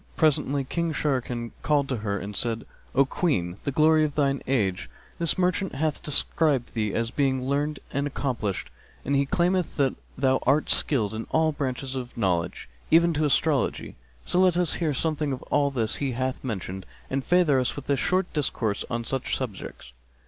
Presently King Sharrkan called to her and said, "O Queen, the glory of thine age, this merchant hath described thee as being learned and accomplished; and he claimeth that thou art skilled in all branches of knowledge, even to astrology: so let us hear something of all this he hath mentioned, and favour us with a short discourse on such subjects."